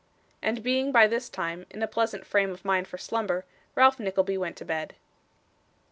And being, by this time, in a pleasant frame of mind for slumber, Ralph Nickleby went to bed.